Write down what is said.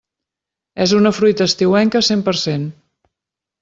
És una fruita estiuenca cent per cent.